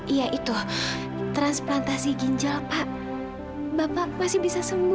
yaitu anak kandung papi